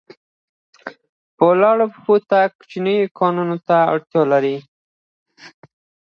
په ولاړو پښو تګ کوچنیو کوناټیو ته اړتیا لرله.